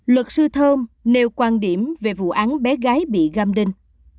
luật sư thơm nêu quan điểm về vụ án bé gái bị gam đinh